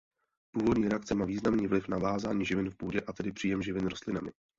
Půdní reakce má významný vliv vázání živin v půdě a tedy příjem živin rostlinami.